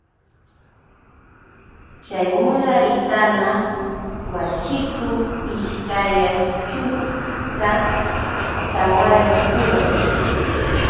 Chay mula itana waćhikun ishkaya chunka tawayuq uras.